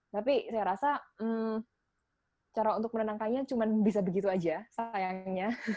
tapi saya rasa cara untuk menenangkannya cuma bisa begitu aja sayangnya